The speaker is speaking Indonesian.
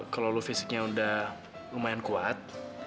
kalau lo fisiknya udah lumayan kuat